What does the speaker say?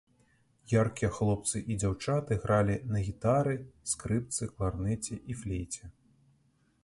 Яркія хлопцы і дзяўчаты гралі на гітары, скрыпцы, кларнеце і флейце.